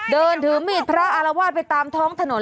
เดินถือมีดพระอารวาสไปตามท้องถนน